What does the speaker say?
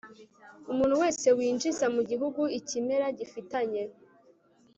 umuntu wese winjiza mu gihugu ikimera gifitanye